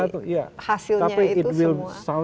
tapi hasilnya itu semua